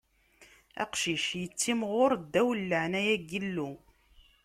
Aqcic ittimɣur ddaw n leɛnaya n Yillu.